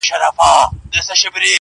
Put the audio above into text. • نوي خبرونه د دې کيسې ځای نيسي هر ځای,